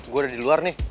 gue ada di luar nih